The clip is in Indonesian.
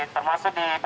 termasuk di belopa